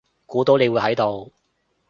估到你會喺度